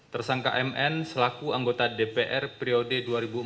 tersangka mn selaku anggota dpr periode dua ribu empat belas dua ribu